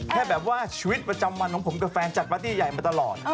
แค่แบบว่าชีวิตประจำวันของผมกับแฟนจัดบัตตี้ใหญ่มาตลอด